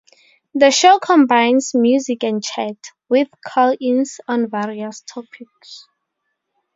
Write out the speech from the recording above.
The show combines music and chat, with call-ins on various topics.